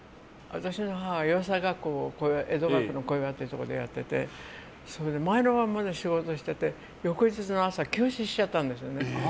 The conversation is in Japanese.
私の母が洋裁学校を江戸川区の小岩というところでやってて、前の夜まで仕事してて翌日の朝急死しちゃったんですね。